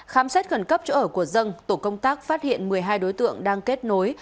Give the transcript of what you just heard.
khám xét khẩn cấp chỗ ở của dân tổ công tác phát hiện một mươi hai đối tượng đang kết nối